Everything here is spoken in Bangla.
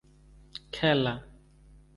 খেলা